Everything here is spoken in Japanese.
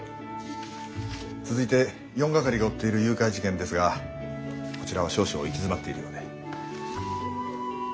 続いて４係が追っている誘拐事件ですがこちらは少々行き詰まっているようで。